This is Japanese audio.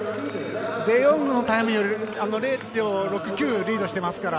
デ・ヨングのタイムより０秒６９リードしています。